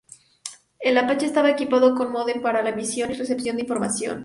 El Apache estaba equipado con módem para la emisión y recepción de información.